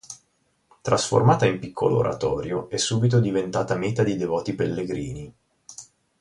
Trasformata in piccolo oratorio, è subito diventata meta di devoti pellegrini.